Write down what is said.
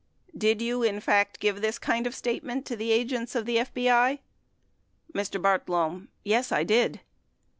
Did you, in fact, give this kind of statement to the agents of the FBI ? Mr. Bartlome. Yes, I did.